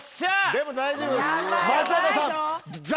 でも大丈夫です。